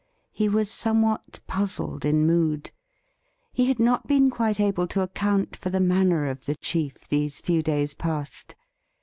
He was somewhat puzzled in mood. He had not been quite able to account for the manner of the chief these few days past.